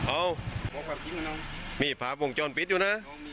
อ้าวมีพราพงค์โจรปิศอยู่น่ะ